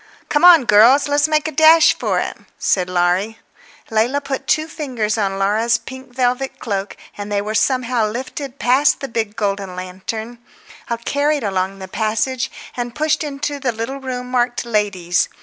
"Come on, girls, let's make a dash for it," said Laurie. Leila put two fingers on Laura's pink velvet cloak, and they were somehow lifted past the big golden lantern, carried along the passage, and pushed into the little room marked "Ladies."